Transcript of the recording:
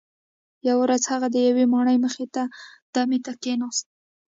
یوه ورځ هغه د یوې ماڼۍ مخې ته دمې ته کښیناست.